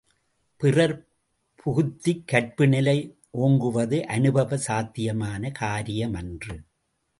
பிறர் புகுத்திக் கற்பு நிலை ஓங்குவது அனுபவ சாத்தியமான காரியமன்று.